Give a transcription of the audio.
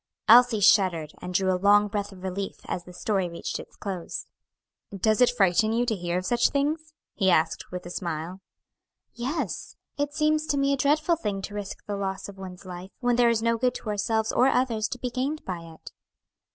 Elsie shuddered, and drew a long breath of relief, as the story reached its close. "Does it frighten you to hear of such things?" he asked, with a smile. "Yes, it seems to me a dreadful thing to risk the loss of one's life, when there is no good to ourselves or others to be gained by it."